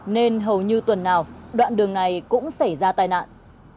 nên hầu như tuần nào đoạn đường này cũng xảy ra tai nạn